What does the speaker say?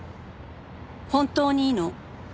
本当にいいの？